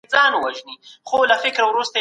ښه ذهنیت باور نه کموي.